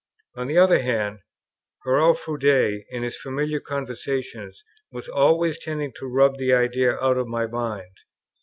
On the other hand, Hurrell Froude in his familiar conversations was always tending to rub the idea out of my mind.